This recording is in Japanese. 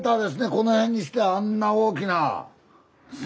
この辺にしてはあんな大きな。